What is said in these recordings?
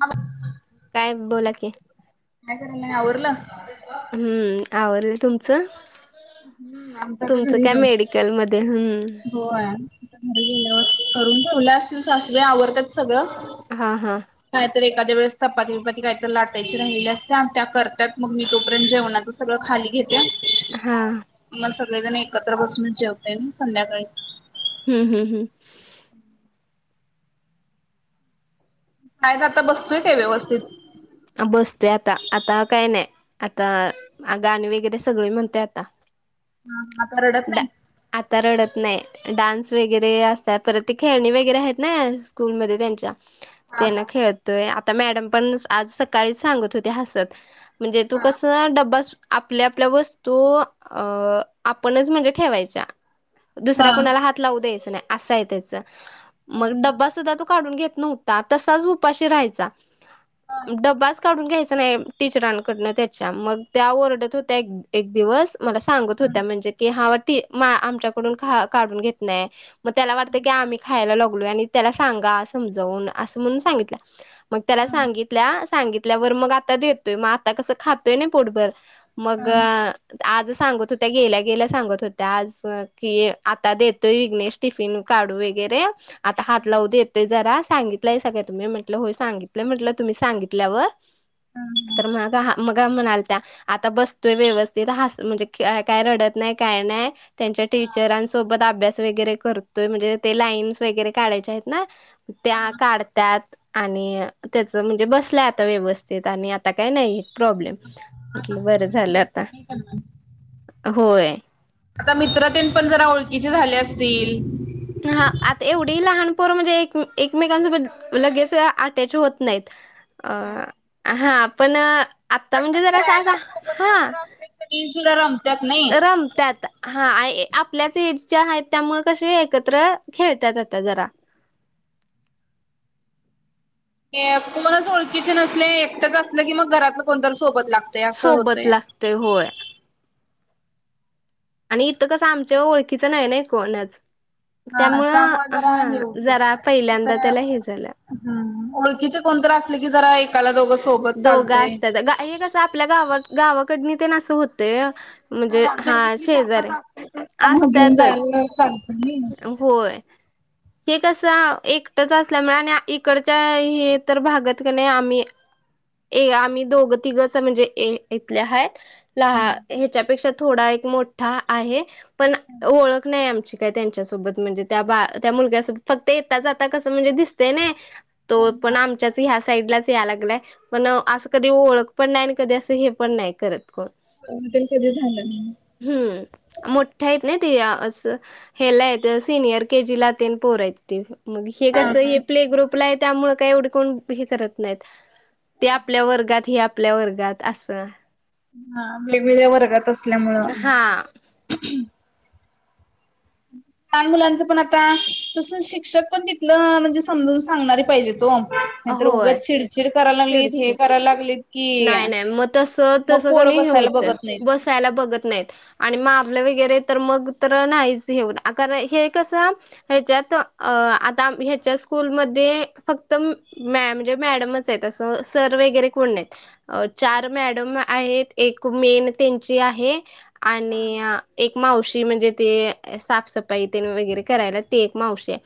म काय बोला की काय करायला आवडलं? हम्म आवडल तुमचं! हम्म आमचं तुमचं काय मेडिकल मध्ये हं हो करून ठेवल्या असतील सासुबाई आवडतात सगळं हा हा कायत एखाद्या वेळेस चपाती विपाती काहीत लाटायची राहिली अस त्या करत. मग मी तोपर्यंत जेवणाच सगळं खाली घेते. हां मला सगळेजण एकत्र बसूनच जेवतेय. ना संध्याकाळी हम्म हम् हम् काय जाता, बसतूय काय? व्यवस्थित. बसतोय आता, आता काही नाही. आता गाणी वगैरे सगळे म्हणतोय आता. हा हा आता रडत डा नाही. आता रडत नाही डान्स वगैरे असतात परत ते खेळणे वगैरे आहेत. ना स्कूलमध्ये त्यांच्या हा त्याना हा खेळतोय आता मॅडम पण आज सकाळीच सांगत होते हसत. म्हणजे तू कस डबा आपल्या आपल्या वस्तू अ आपणच म्हणजे ठेवायची हा हा दुसऱ्या कुणाला हात लावू द्यायच नाही असं आहे. त्याच हा मग डबा सुद्धा तो काढून घेत नव्हता तसाच उपाशी राहायचा हा हा डबा काढून घ्यायच नाही टीचरांकडन त्याच्या मग त्या ओरडत होत्या एक दिवस मला सांगत होत्या. म्हणजे, क ह आमच्याकडून काढून घेत नाही? मग त्याला वाटत की, आम्ही खायला लागलो. आणि त्याला सांगा समजावून, असं म्हणून सांगितलं. मग त्याला सांगितल्या, सांगितल्यावरर मग आता देतोय, मग आता कसं खातोय ना पोटभर. मग, हा आज सांगत होत्या. गेल्या -गेल्या सांगत होत्या. त्याज की, आता देतोय, विघ्नेश, टिफिन काढू वगैरे. आता, हात लावत, देतोय जरा, सांगित. लय सगळ्यात तुम्ही, म्हटलं होय सांगितलं म्हटल तुम्ही सांगितल्यावर तर माझा हा मग का म्हणाल? त्या आता बसतोय व्यवस्थित ह म्हणजे काय, रडत नाही, काय नाही. त्यांच्या हा हा टीचरांसोबत अभ्यास वगैरे करतोय, म्हणजे ते लाईन्स वगैरे काढायच्या आहेत ना त्या हा काढतात. आणि त्याच म्हणजे बसलायआता व्यवस्थित आणि आता काय नही प्रॉब्लेम आता बर मोबाईल झालं फ्री असेल आता, नाही करणार. होय. आता मित्रतेन पण जरा ओळखीचे झाले असतील. हा, आता एवढीहि लहानपोरं म्हणजे एक-एकमेकांसोबत लगेच अटॅच होत नाहीत. [inaudible] अं, हा पण आता म्हणजे जरासा असा हां. की जुलाराम. [unintelligible] रमत्यात. हा, आये आपल्याच एज च्या आहेत, त्यामुळे कसे एकत्र खेळत्यात आता जरा. कोणच ओळखीचे नसले, एकटंच असलं की मग घरातलं कोणतरी सोबत लागतय, असं होतंय. ते होय. आणि इथं कस, आमच्या ओळखीचं नाही ना, कोणच. हा त्यामुळं त्यामुळे जरा हा, हे होते. जरा तर पहिल्यांदा त्याला हे झालं. हम्म, ओळखीचे कोणतरी असले, की जरा एकाला दोघं सोबत दोघं चालतय. असतात गा हे कसं, आपल्या गाव गावाकडणी ते ना असं होतय. म्हणजे हा, चार शेजार पाच असते तर त्यामुळे घेऊन असत्यातच, जायला चालते नाही. होय. हे कसं, एकटच असल्यामुळे आणि इकडच्या हे तर भागात क नई आम्ही ए आम्ही दोघं- तिघच म्हणजे, ए इथले हायेत. लहा ह्याच्यापेक्षा थोडा एक मोठा आहे, पण ओळख नाही आमची. त्या त्यांच्यासोबत म्हणजे, त्या बा त्या मुलग्यासोबत फक्त येता -जाता कसं म्हणजे दिसतय ना. तो हा. पण आमच्याच, ह्या साईडलाच या लागलाय. पण असं कधी ओळख पण नाही, आणि कधी असं हे पण नाही, करत कोण. अ कध झालं नाही. हम्म. मोठ्या आहेत ना ते, असं हेला येत सिनियर के जी ला तेन पोर येत. ते मग, हे कस, हे प्ले- ग्रुपला आहे, त्यामुळ काय एवढे कोण हे करत नाहीत. ते आपल्या वर्गात हे आपल्या वर्गात असं हा वेगवेगळ्या वर्गात असल्यामुंळ हा लहान मुलांचं पण आता तस, शिक्षक पण तिथलं म्हणजे समजून सांगणारी पाहिजेत ओ नाहीतर उगं होय चिडचिड करायला लागलीत, हे करायला लागलीत की नाई नाय मग तस, मग तसं कणी पोरं हे बसायला होत, बघत नाहीत. बसायला बघत नाहीत. आणि मारलं वगैरे तर मग तर नाहीच, हे होउ कारन हे कसं ह्याच्यात, अ आता ह्याच्या स्कूलमध्ये फक्त म मॅअरे मॅडमच येत असं, सर वगैरे कोण नाही. चार मॅडम आहेत, एक मेन त्यांची आहे आणि एक मावशी म्हणजे ते साफसफाई वगैरे करायला, ते एक मावशी ये.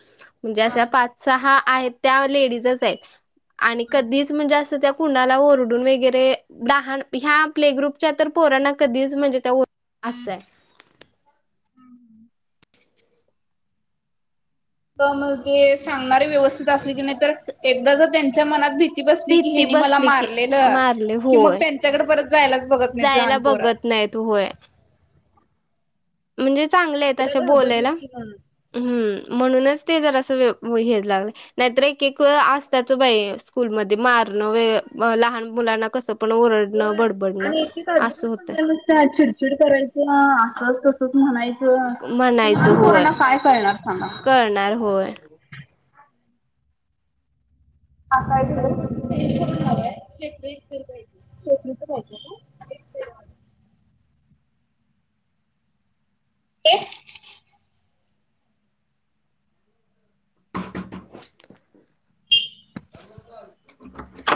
म्हणजे, अशा पाच सहा आहेत, त्या लेडीजच येत आणि कधीच म्हणजे असं, त्या कुणाला ओर डून वगैरे, लहान ह्या प्ले -ग्रुपच्या तर पोरांना कधीच म्हणजे त्या असय पण मग तें सांगणारे व्यवस्थित असले की नईतर, एकदा जर त्यांच्या मनात भीत ी बसली की भीती हेनी मला बसली की मारलेलं, मारले कि मग होय त्यांच्याकडे परत जायलाच बघत नई लहानपोर. नाही, तू होय. म्हणजे चांगल्या आहेत, अशा एकदा घाबरलीत बोलायला. की म्हणून हम्म, म्हणूनच ते जर असं व हेच लागल नाहीतर एक-एक असतात बाई, स्कूलमध्ये मारणं व लहान मुलांना कसं पण ओरडणं, बडबडणं असं होतं. त्या चिडचिड करायच्या, असच तसच म्हणाय च, ते लहान पोरांना काय करळणार सांगा? करणार होय. हा कायेकय छकरी तरय का? ते ह.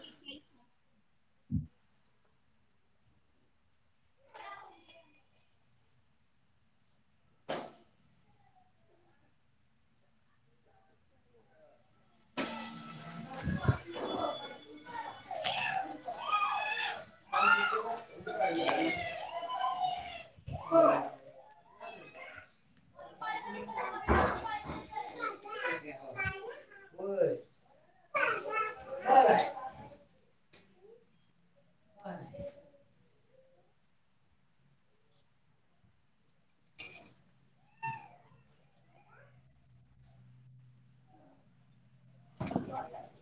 [unintelligible] [unintelligible] हम्. बर. पण आहे. ह.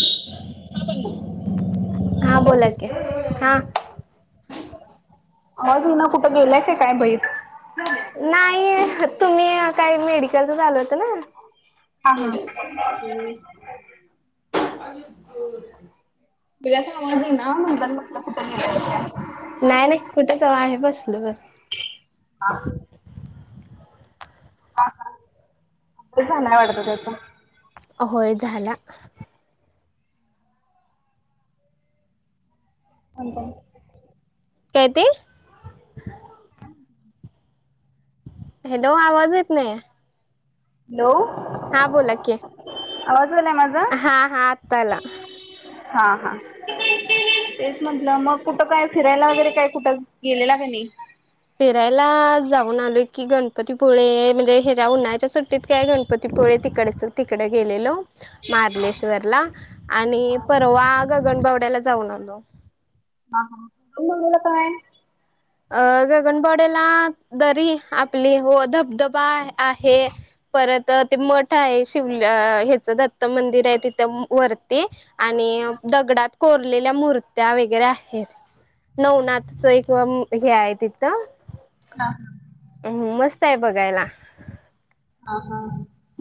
हा बण हा बोलात हा. अजु ना कुठं गेलायच आहे काय बईित. नाही तुम्ही काही मेडिकलच आल होत ना. हा [unintelligible] बघ आवाजही ना म्हण म्हट कुत गला नाही नाही कुठेचव आहे बसलं बर. हा. ह ह नाही वाडतस. होय झाला. अंत. काय ते. हॅलो आवाज येत नाही. हॅलो. हा बोलाक. आवाज आलाय माझा. हा हा आताला. हा हा. तेच म्हंटलं मग कुठं काय फिरायला वगैरे काय कुठं गेलेला काय नाही. फिरायला जाऊन आलो की गणपतीपुळे म्हणजे ह्याच्या्या उन्हाळ्या सुट्टीत काय गणती. प तपोळे तिकडेचल तिकडे गेलेलो. मार्लेश्वरला आणि परवा गगनबावड्याला जाऊन आलो. ह ह मला काय. अ गगनबडेला दरी आपली हो धब. धबा आहे परत ते म. आहे शिवल ह्याचं दत्त मंदिर आहे तिथे वरती आणि दगडात. कोरलेल्या मूर्त्या वगैरे आहेत नवनाथच क. हे आहेय त इथ. ह. अ मस्त आहे बघायला. ह. हा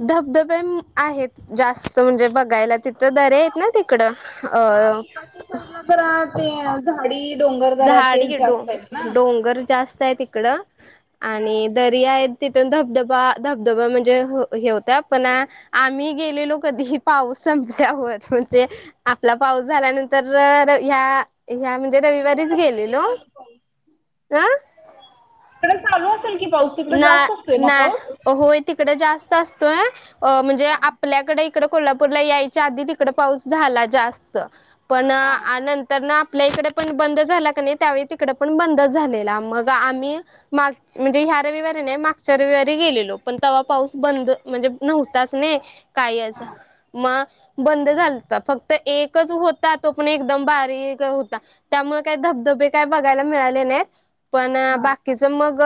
धबधबे आहेत जास्त म्हणजे बघायला तिथं दरे नाही तिकडं. तर राहते. साडी डोंगर. दऱ्या झाडी तेच आहे डो जास्त आहेत ना डोंगर जास्त आहे तिकडं. आणि दरी आहे तिथून धबधबा धबधबा म्हणजे हे होत आपण आम्ही गेलेलो कधीही पाऊस संपल्यावर म्हणजे आपला पाऊस झाल्यानंतर ह ह म्हणजे तिकडे असते की चालू पाऊस ग. तिकडं चालू असल की पाऊस? तिकडे नाय जास्त असतोय ना नाय पाऊस होय तिकडे जास्त असतोय अ म्हणजे आपल्याकडे तिकडं कोल्हापूरला यायच्या आधी तिकड पाऊस झाला जास्त पण हा तर ना आपल्या इकडे पण बंद झाला कणी त्यावेळी तिकडे पण बंद झालेला मग आम्ही माग म्हणजे ह रविवारी नाही, मागच्या रविवारी गेलेलो पण तवा पाऊस बंद म्हणजे नव्हताच ने. कायच मग बंद झालत फक्त एकच हो तो पण एकदम बारीक हुता त्यामुळे काही धबधबे काय बघायला मिळाले नाही. पण हा बाकीच मग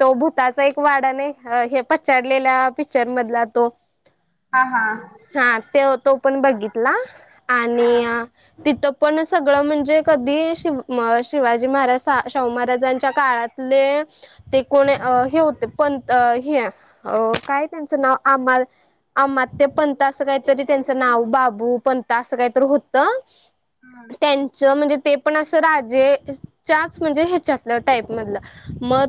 तो भूताचा एक वाडा नाही हे पछाडलेल्या पिक्चर मधला तो हा हा हा. त्यो तो पण बघितला आणि हा तिथं पण सगळं म्हणजे कधी शि शिवाजी महाराज, शाहू महाराजांच्या काळात ले तिक कोणी हे होते पंत हे काय त्यांचं नाव आमल अमात्य ते पंत असं काहीतरी त्यांचं नाव बाबू पंत असं काहीतरी होत. हा. त्यांच म्हणजे ते पण असं राजे च्याच म्हणजे ह्याच्यातल टाईप मधलं म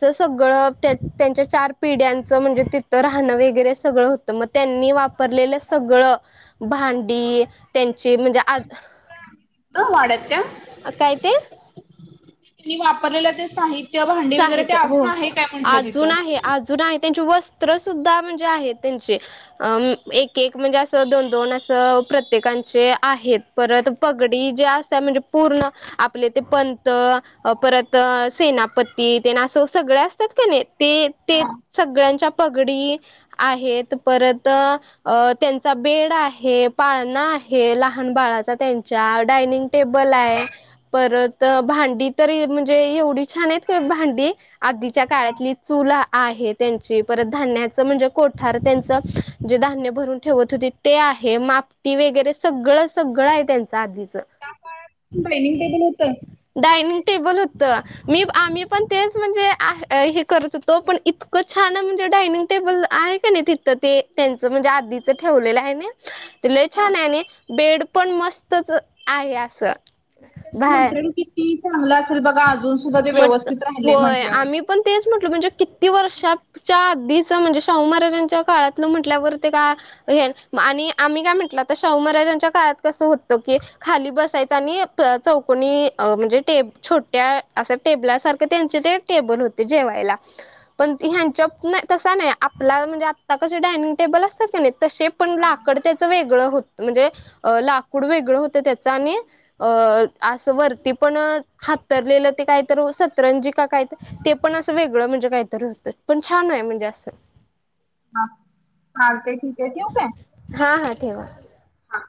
च सगळं त्या त्यांच्या चार पिढ्यांचं म्हणजे तिथं राहणं वगैरे सगळं हो तर म त्यांनी वापरलेलं सगळं भांडी त्यांची म्हणजे आज तिथं वाड्यात त्या काय ते? त्यांनी वापरलेलं ते साहित्य, भांडी वगैरे ते साहित्य अजून हो. आहे काय म्हंटलं तिथं? अजून आहे अजून आहे. त्यांचे वस्त्र सुुद्धा म्हणजे आहेत त्यांचे अ एक एक म्हणजे असं दोन दोन असं प्रत्येकांचे आहेत. परत पगडी जे असत म्हणजे पूर्ण आपले ते पंत परत सेनाप ते ते नासव सगळे असतात का नाही ते ते हा सगळ्यांच्या पगडी आहेत. परत अ त्यांचा बेड आहे. पाळणा आहे. लहान बाळाचा त्यांच्या डायनिंग टेबल आहे. परत भांडी तरी म्हणजे एवढी छान आहेत भांडी आधीच्या काळातली चूल आहे त्यांची परत धान्याचं म्हणजे कोठार त्यांच जे धान्य भरून ठेवत होते ते आहे. मापटी वगैरे सगळं सगळं आहे त्यांच आधीच. त्या काळात डायनिंग टेबल होत? डायनिंग टेबल हुत मी आम्ही पण तेच म्हणजे हा करत होतो, पण इतकं छान म्हणजे डायनिंग टेबल आहे कणी ति त ते त्यांचं म्हणजे आधीच ठेवलेलं आहे न. लई छान आणि बेड पण मस्तच आहे अस बाहे मटेरियल किती चांगलं असल बघा अजून सुद्धा ते मग व्यवस्थित राहिल होय म्हटल्यावर. आम्ही पण तेच म्हटलं म्हणजे किती वर्षा च्या अधीच म्हणजे शाहू महाराजांच्या काळातलं म्हटल्यावर ते का हे आणि आम्ही काय म्हंटलं तर शाहू महाराजांच्या काळात कसं होतं की खाली बसायच आणि चौकोनी म्हणजे टेब छो त्या असं टेबला सारख त्यांचे ते टेबल होते जेवायला. पण ह्यांच्या प नाही तसा नाही आपला म्हणजे आत्ता कसे डायनिंग टेबल असतात कणी तसे पण लाकड त्याच वेगळं हो म्हणजे लाकूड वेगळं होतं त्याच आणि अं असं वरती पण हातरलेलं ते काय तर सतरंजी का काय ते ते पण असं वेगळं म्हणजे काहीतरी होतय, पण छान आहे म्हणजे अस. हा चालतंय. ठीक आहे. ठेऊ काय? हा हा ठेवा. हा